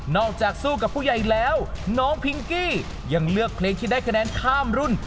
จากสู้กับผู้ใหญ่แล้วน้องพิงกี้ยังเลือกเพลงที่ได้คะแนนข้ามรุ่น